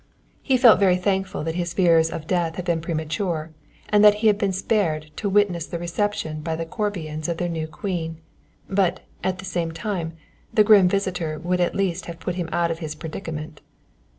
He felt very thankful that his fears of death had been premature, and that he had been spared to witness the reception by the Corbians of their new Queen, but, at the same time, the grim visitor would at least have put him out of his predicament.